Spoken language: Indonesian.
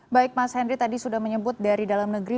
baik mas henry tadi sudah menyebut dari dalam negeri